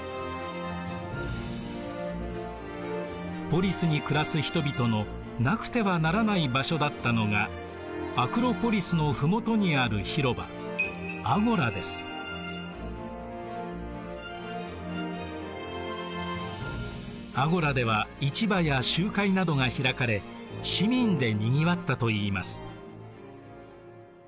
ポリスに暮らす人々のなくてはならない場所だったのがアクロポリスの麓にある広場アゴラでは市場や集会などが開かれ市民でにぎわったといいます。